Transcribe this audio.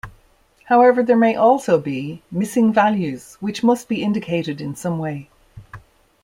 However, there may also be "missing values", which must be indicated in some way.